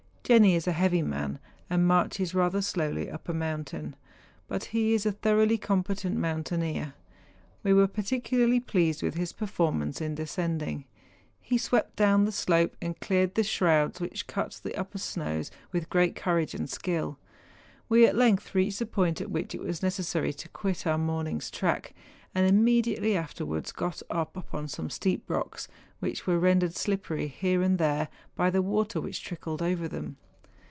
Jenni is a heavy man, and marches rather slowly up a mountain; but he is a thoroughly competent mountaineer. We were particularly pleased with his performance in descending. He swept down the slope, and cleared the ^schrouds' which cut the upper snows with great courage and skill. We at length reached the point at which it was necessary to quit our morning's track, and immediately after¬ wards got upon some steep rocks, which were ren¬ dered slippery here and there by the water which trickled over them.